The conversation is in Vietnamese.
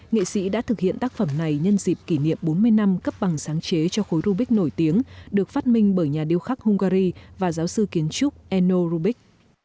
nghệ sĩ đã thực hiện tác phẩm này nhân dịp kỷ niệm bốn mươi năm cấp bằng sáng chế cho khối rubik nổi tiếng được phát minh bởi nhà điêu khắc hungary và giáo sư kiến trúc eno rubik